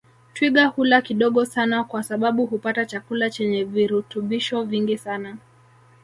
Twiga hula kidogo sana kwa sababu hupata chakula chenye virutubisho vingi sana